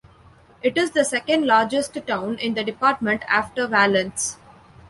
It is the second-largest town in the department after Valence.